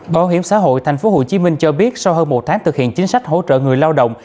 bảo hiểm xã hội tp hcm cho biết sau hơn một tháng thực hiện chính sách hỗ trợ người lao động